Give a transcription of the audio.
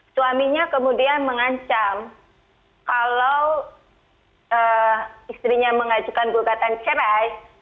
suaminya kemudian mengancam kalau istrinya mengajukan gugatan cerai